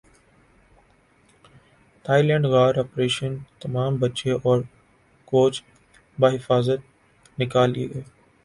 Thai land غار operation تمام بچے اور کوچ بحفاظت نکال لئے گئے